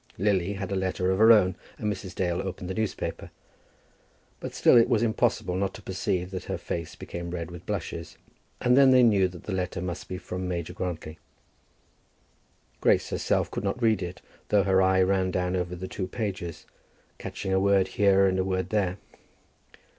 Lily had a letter of her own, and Mrs. Dale opened the newspaper. But still it was impossible not to perceive that her face became red with blushes, and then they knew that the letter must be from Major Grantly. Grace herself could not read it, though her eye ran down over the two pages catching a word here and a word there.